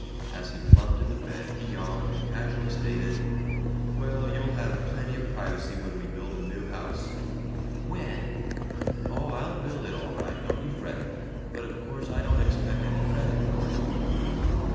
As he flumped into bed he yawned, and casually stated: "Well, you'll have plenty of privacy when we build a new house. "When?" "Oh, I'll build it all right, don't you fret! But of course I don't expect any credit for it."